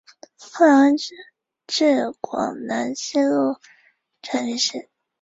他们比普通的矮人更能耐受魔法与毒药。